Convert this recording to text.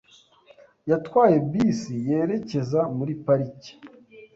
Yatwaye bisi yerekeza muri parike .